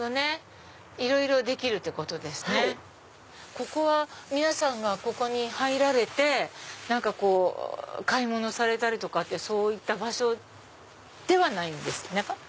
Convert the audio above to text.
ここは皆さんが入られて買い物されたりとかってそういった場所ではないんですね。